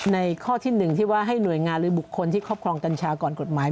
ข้อที่๑ที่ว่าให้หน่วยงานหรือบุคคลที่ครอบครองกัญชาก่อนกฎหมาย